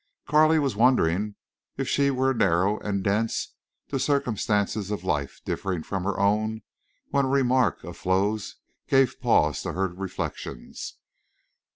Carley was wondering if she were narrow and dense to circumstances of life differing from her own when a remark of Flo's gave pause to her reflections.